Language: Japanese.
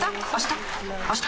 あした？